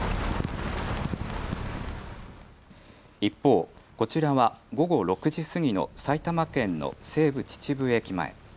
一方、こちらは午後６時過ぎの埼玉県の西武秩父駅前。